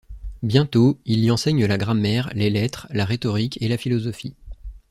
Bientôt il y enseigne la grammaire, les lettres, la rhétorique et la philosophie.